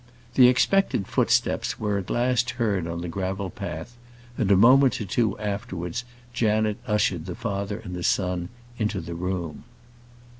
The expected footsteps were at last heard on the gravel path, and a moment or two afterwards Janet ushered the father and son into the room.